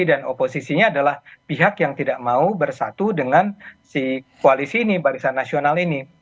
dan oposisinya adalah pihak yang tidak mau bersatu dengan si koalisi ini barisan nasional ini